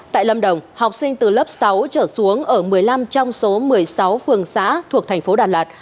tại lâm đồng học sinh từ lớp sáu trở xuống ở một mươi năm trong số một mươi sáu phường xã thuộc thành phố đà lạt